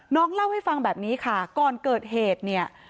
เล่าให้ฟังแบบนี้ค่ะก่อนเกิดเหตุเนี่ย